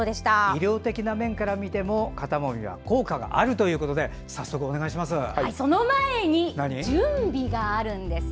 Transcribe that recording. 医療的な面から見ても肩もみは効果があるということで早速、お願いします。